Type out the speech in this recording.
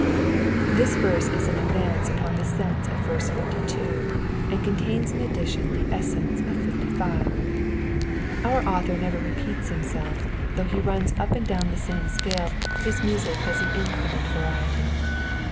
This verse is an advance upon the sense of verse fifty two, and contains in addition the essence of fifty five. Our author never rejieats himself : .though he runs up and down the same scale, his music has an infinite variety.